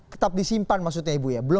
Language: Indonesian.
tetap disimpan maksudnya ibu ya